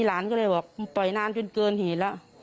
หลานก็เลยบอกมึงปล่อยนานจนเกินเห็นละ